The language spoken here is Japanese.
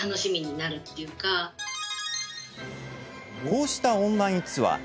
こうしたオンラインツアー。